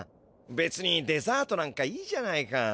べつにデザートなんかいいじゃないか。